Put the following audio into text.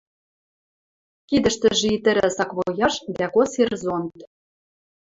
Кидӹштӹжӹ итӹрӓ саквояж дӓ косир зонт.